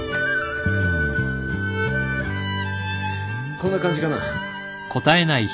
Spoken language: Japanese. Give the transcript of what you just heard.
こんな感じかな？